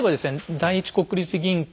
第一国立銀行